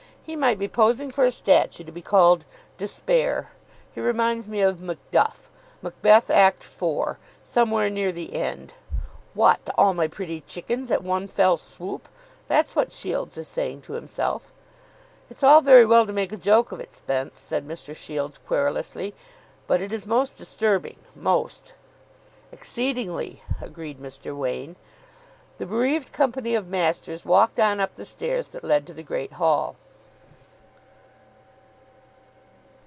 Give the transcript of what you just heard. "He might be posing for a statue to be called 'Despair!' He reminds me of Macduff. Macbeth, Act iv., somewhere near the end. 'What, all my pretty chickens, at one fell swoop?' That's what Shields is saying to himself." "It's all very well to make a joke of it, Spence," said Mr. Shields querulously, "but it is most disturbing. Most." "Exceedingly," agreed Mr. Wain. The bereaved company of masters walked on up the stairs that led to the Great Hall.